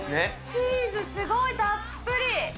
チーズすごいたっぷり。